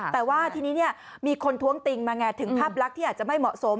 แต่ว่าทีนี้มีคนท้วงติงมาไงถึงภาพลักษณ์ที่อาจจะไม่เหมาะสม